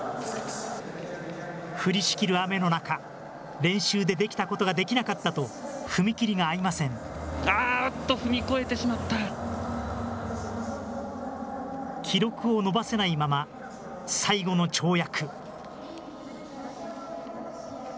降りしきる雨の中、練習でできたことができなかったと、踏み切りあーっと、踏み越えてしまっ記録を伸ばせないまま、最後の跳躍。